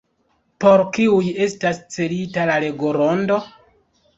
Por kiuj estas celita la legorondo?